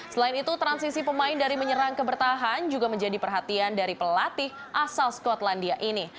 selain itu transisi pemain dari menyerang ke bertahan juga menjadi perhatian dari pelatih asal skotlandia ini